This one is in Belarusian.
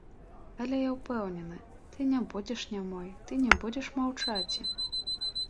Але я ўпэўнены, ты ня будзеш нямой, ты ня будзеш маўчаці.